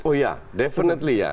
oh ya definitely ya